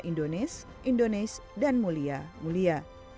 indones indones dan mulia mulia